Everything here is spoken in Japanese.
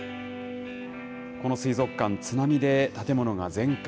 この水族館、津波で建物が全壊。